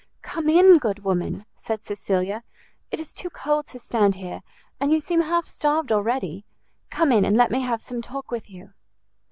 "Come in, good woman," said Cecilia, "it is too cold to stand here, and you seem half starved already: come in, and let me have some talk with you."